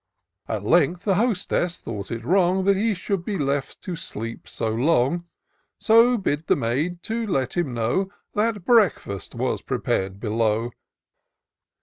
At length the hostess thought it wrong He should be left to sleep so long ; So bid the maid tp let him know That breakfast was prepar'd below.